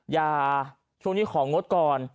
ช่วงนี้ของงดก่อน